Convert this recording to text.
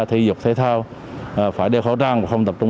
thể dục thể thao phải đeo khẩu trang và không tập trung